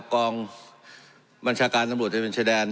กองบัญชาการตำรวจตะเวนชายแดน